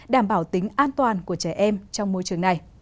đảm bảo tính an toàn của trẻ em trong môi trường này